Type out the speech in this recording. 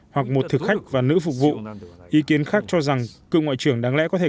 hoặc một thực khách và nữ phục vụ ý kiến khác cho rằng cựu ngoại trưởng đáng lẽ có thể